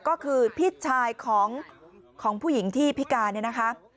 ก็คือพี่ชายของผู้หญิงที่พิการเนี่ยนะคะ